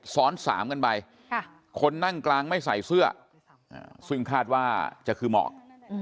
ซ้อนสามกันไปคนนั่งกลางไม่ใส่เสื้อซึ่งคาดว่าจะคือหมอก